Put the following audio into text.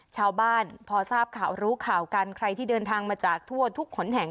ชาวบ้านพอทราบข่าวรู้ข่าวกันใครที่เดินทางมาจากทั่วทุกขนแห่ง